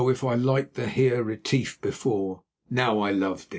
if I had liked the Heer Retief before, now I loved him.